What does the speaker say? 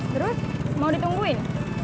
terus mau ditungguin